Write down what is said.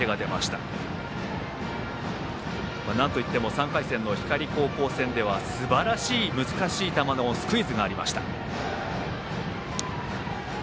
３回戦の光高校戦ではすばらしい難しい球のスクイズがありました。